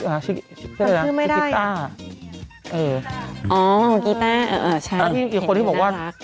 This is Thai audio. อ่ะอือชั้นนี้มีคนที่บอกว่า